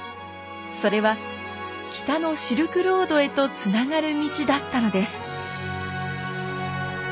それは北のシルクロードへとつながる道だったのです。